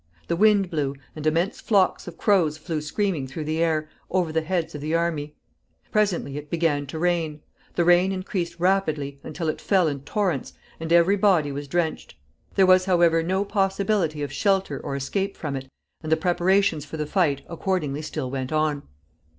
The wind blew, and immense flocks of crows flew screaming through the air, over the heads of the army. Presently it began to rain. The rain increased rapidly, until it fell in torrents, and every body was drenched. There was, however, no possibility of shelter or escape from it, and the preparations for the fight accordingly still went on.